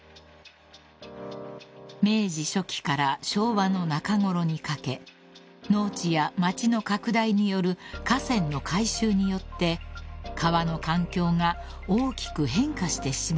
［明治初期から昭和の中頃にかけ農地や街の拡大による河川の改修によって川の環境が大きく変化してしまったのです］